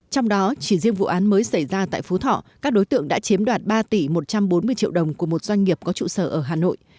trong đó chỉ riêng vụ án mới xảy ra tại phú thọ các đối tượng đã chiếm đoạt ba tỷ một trăm bốn mươi triệu đồng của một doanh nghiệp có trụ sở ở hà nội